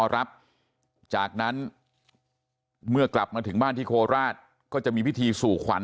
รับจากนั้นเมื่อกลับมาถึงบ้านที่โคราชก็จะมีพิธีสู่ขวัญ